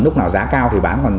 lúc nào giá cao thì bán